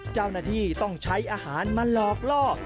เจ้าหน้าที่ต้องใช้อาหารมาหลอกล่อ